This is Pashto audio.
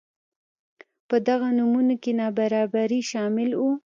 په دغو نوښتونو کې نابرابري شامل وو.